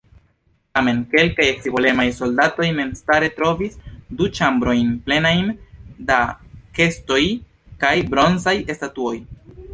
Tamen kelkaj scivolemaj soldatoj memstare trovis du ĉambrojn plenajn da kestoj kaj bronzaj statuoj.